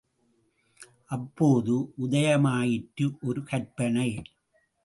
அப்போது உதயமாயிற்று ஒரு கற்பனை.